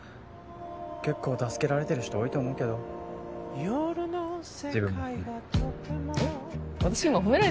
結構助けられてる人多いと思うけど自分も含めえっ？